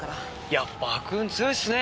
やっぱ悪運強いっすね。